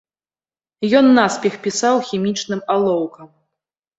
Ён наспех пісаў хімічным алоўкам.